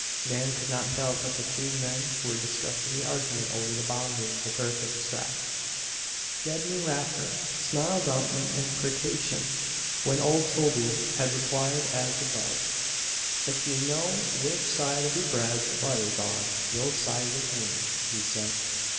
Nan could not doubt that the two men were discussing the argument over the boundary of the Perkins Tract. Gedney Raffer snarled out an imprecation when old Toby had replied as above. "Ef you know which side of your bread the butter's on, you'll side with me," he said.